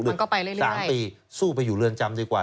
มันก็ไปเรื่อย๓ปีสู้ไปอยู่เรือนจำดีกว่า